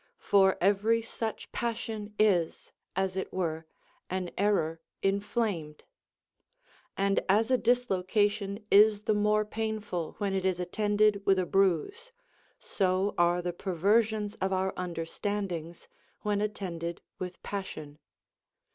For every such passion is, as it were, an error inflamed. And as a dislocation is the more painful when it is attended with a bruise, so are the perversions of our understandings, Avhen attended with passion.